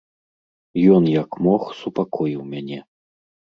Ён, як мог, супакоіў мяне.